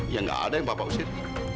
ya gak ada yang papa usir